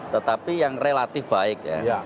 tetapi yang relatif baik ya